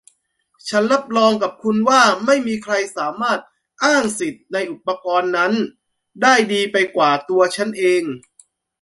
ฉันรับรองกับคุณว่าไม่มีใครสามารถอ้างสิทธิ์ในอุปกรณ์นั้นได้ดีไปกว่าตัวฉันเอง